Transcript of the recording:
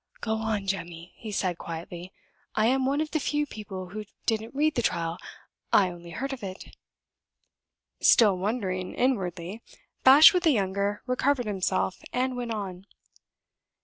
"Go on, Jemmy," he said, quietly; "I am one of the few people who didn't read the trial; I only heard of it." Still wondering inwardly, Bashwood the younger recovered himself, and went on.